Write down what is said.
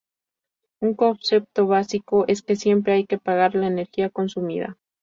Un concepto básico es que siempre hay que pagar la energía consumida.